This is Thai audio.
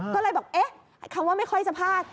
ก็เลยบอกเอ๊ะคำว่าไม่ค่อยจะพลาด